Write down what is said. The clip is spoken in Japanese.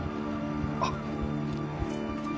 あっ。